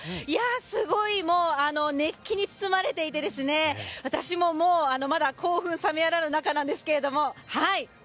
すごい、熱気に包まれていて、私も興奮冷めやらぬ中なんですが。